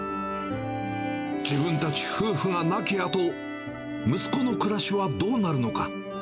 自分たち夫婦が亡き後、息子の暮らしはどうなるのか。